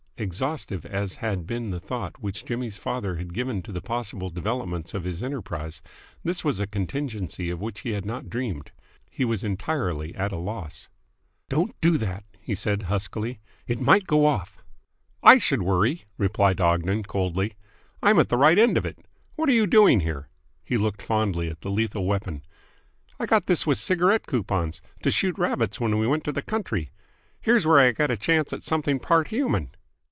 Exhaustive as had been the thought which Jimmy's father had given to the possible developments of his enterprise, this was a contingency of which he had not dreamed. He was entirely at a loss. "Don't do that!" he said huskily. "It might go off!" "I should worry!" replied Ogden coldly. "I'm at the right end of it. What are you doing here?" He looked fondly at the lethal weapon. "I got this with cigarette coupons, to shoot rabbits when we went to the country. Here's where I get a chance at something part human."